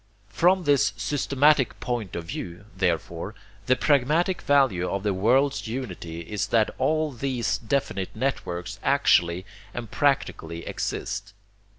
From this 'systematic' point of view, therefore, the pragmatic value of the world's unity is that all these definite networks actually and practically exist.